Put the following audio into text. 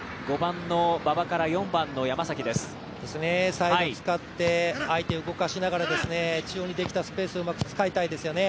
サイドを使って相手を動かしながら中央にできたスペースをうまく使いたいですよね。